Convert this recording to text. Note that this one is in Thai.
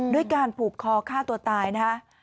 ด้วยการผูกคอฆ่าตัวตายนะฮะ